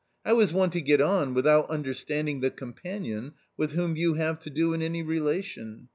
How is one to get on without understanding the companion with whom you have to do in any relation